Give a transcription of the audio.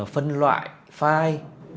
phân loại file